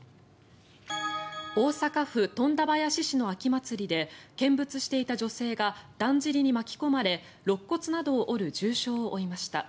大阪府富田林市の秋祭りで見物していた女性がだんじりに巻き込まれろっ骨などを折る重傷を負いました。